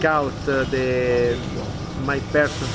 mengambil orang saya ke perairan